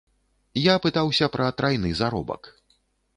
Я пытаўся пра трайны заробак.